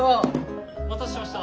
お待たせしました。